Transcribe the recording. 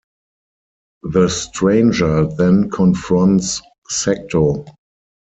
The Stranger then confronts Sekto.